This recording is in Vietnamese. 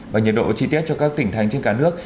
và nhiệt độ chi tiết cho các tỉnh thành trên cả nước